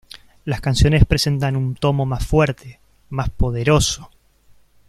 Las canciones presentan un tomo más fuerte, más poderoso.